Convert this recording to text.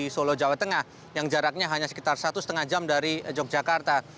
di solo jawa tengah yang jaraknya hanya sekitar satu lima jam dari yogyakarta